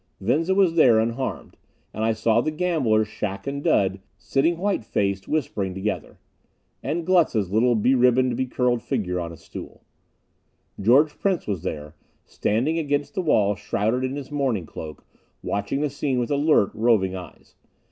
Venza was there, unharmed. And I saw the gamblers, Shac and Dud, sitting white faced, whispering together. And Glutz's little be ribboned, be curled figure on a stool. George Prince was there, standing against the walls shrouded in his mourning cloak, watching the scene with alert, roving eyes.